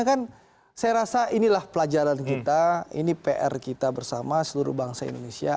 karena kan saya rasa inilah pelajaran kita ini pr kita bersama seluruh bangsa indonesia